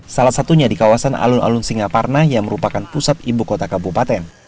salah satunya di kawasan alun alun singaparna yang merupakan pusat ibu kota kabupaten